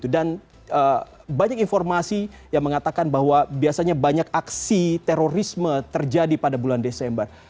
dan banyak informasi yang mengatakan bahwa biasanya banyak aksi terorisme terjadi pada bulan desember